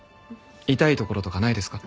痛いところとかないですか？